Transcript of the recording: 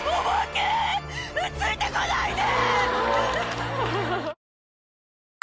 ついて来ないで！